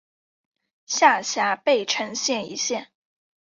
下辖涪城县一县。